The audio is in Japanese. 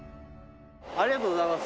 ありがとうございます。